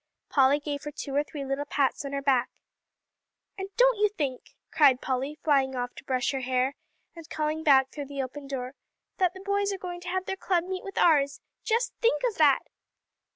Polly gave her two or three little pats on her back. "And don't you think," cried Polly, flying off to brush her hair, and calling back through the open door, "that the boys are going to have their club meet with ours. Just think of that!"